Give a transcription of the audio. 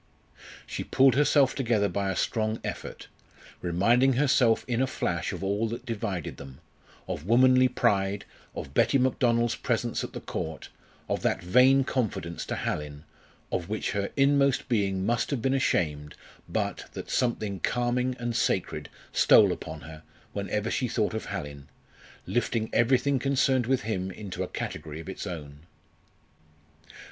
She pulled herself together by a strong effort, reminding herself in a flash of all that divided them: of womanly pride of Betty Macdonald's presence at the Court of that vain confidence to Hallin, of which her inmost being must have been ashamed, but that something calming and sacred stole upon her whenever she thought of Hallin, lifting everything concerned with him into a category of its own.